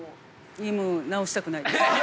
もう直したくないです。